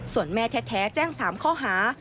ส่วนแม่แท้แจ้ง๓ข้อหา